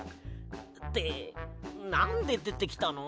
ってなんででてきたの？